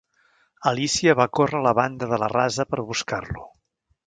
Alícia va córrer a la banda de la rasa per buscar-lo.